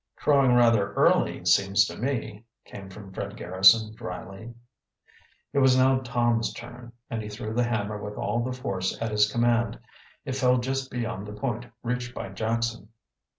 "Crowing rather early, seems to me," came from Fred Garrison dryly. It was now Tom's turn and he threw the hammer with all the force at his command. It fell just beyond the point reached by Jackson.